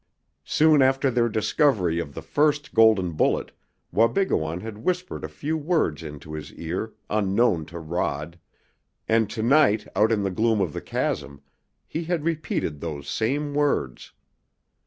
Soon after their discovery of the first golden bullet Wabigoon had whispered a few words into his ear, unknown to Rod; and to night out in the gloom of the chasm, he had repeated those same words.